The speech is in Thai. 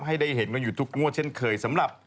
ให้ได้เห็นกันอยู่ทุกงวดเช่นเคยสำหรับ